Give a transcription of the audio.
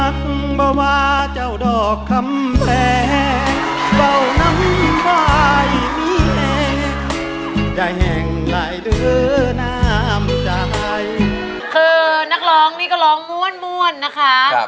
คือนักร้องนี่ก็ร้องม่วนนะคะ